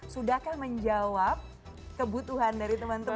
sudahkah menjawab kebutuhan dari teman teman